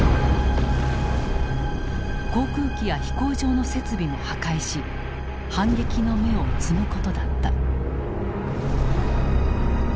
航空機や飛行場の設備も破壊し反撃の芽を摘むことだった。